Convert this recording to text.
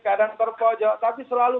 kadang terpojok tapi selalu